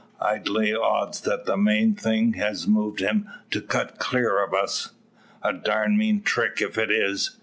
I'd lay odds that's the main thing has moved him to cut clear o' us." "A darned mean trick if it is.